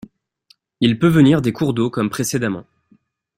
Il peut venir des cours d'eau comme précédemment.